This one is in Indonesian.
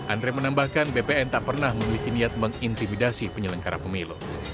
andre menambahkan bpn tak pernah memiliki niat mengintimidasi penyelenggara pemilu